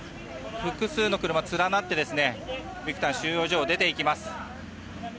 複数の車、連なってビクタン収容所を出ていきます。